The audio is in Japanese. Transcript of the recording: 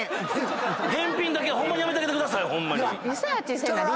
返品だけはホンマにやめてあげてください！